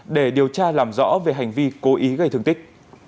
để điều tra làm rõ về hành vi cố ý gây thương tích